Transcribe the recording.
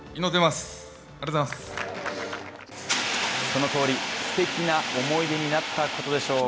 そのとおり、すてきな思い出になったことでしょう。